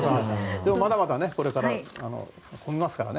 まだまだこれから混みますからね。